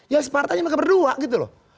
ya separtanya mereka berdua gitu loh